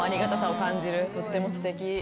とってもすてき。